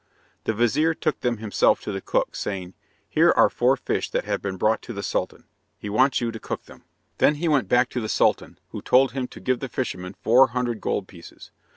The vizir took them himself to the cook, saying, "Here are four fish that have been brought to the Sultan. He wants you to cook them." Then he went back to the Sultan, who told him to give the fisherman four hundred gold pieces.